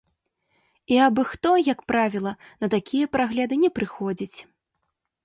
І абы-хто, як правіла, на такія прагляды не прыходзіць.